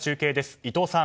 伊藤さん。